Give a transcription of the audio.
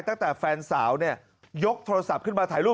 ตั้งแต่แฟนสาวเนี่ยยกโทรศัพท์ขึ้นมาถ่ายรูป